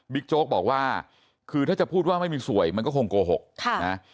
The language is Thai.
โจ๊กบอกว่าคือถ้าจะพูดว่าไม่มีสวยมันก็คงโกหกนะ